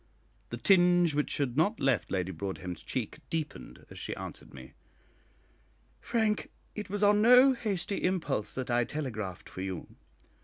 The tinge which had not left Lady Broadhem's cheek deepened as she answered me, "Frank, it was on no hasty impulse that I telegraphed for you.